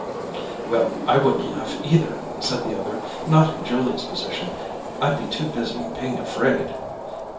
"Well, I wouldn't laugh either," said the other. "Not in Julia's position. I'd be too busy being afraid."